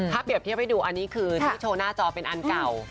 ถ้าเปรียบเทียบให้ดูอันนี้คือที่โชว์หน้าจอเป็นอันเก่า